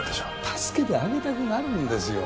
助けてあげたくなるんですよ